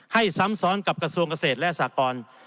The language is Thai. ซ้ำซ้อนกับกระทรวงเกษตรและสากร